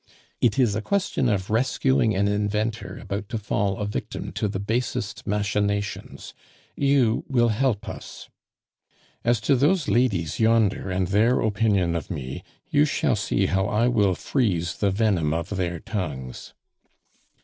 It is a question of rescuing an inventor about to fall a victim to the basest machinations; you will help us. As to those ladies yonder, and their opinion of me, you shall see how I will freeze the venom of their tongues."